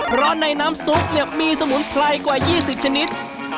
เพราะในน้ำซุปเนี่ยมีสมุนไพรกว่า๒๐ชนิด